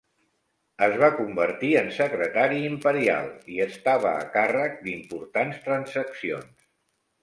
Es va convertir en secretari imperial i estava a càrrec d'importants transaccions.